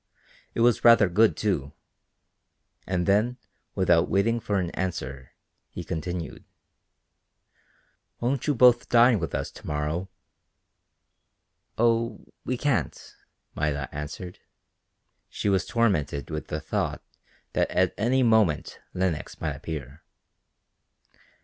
"It was rather good, too." And then, without waiting for an answer, he continued: "Won't you both dine with us to morrow?" "Oh, we can't," Maida answered. She was tormented with the thought that at any moment Lenox might appear.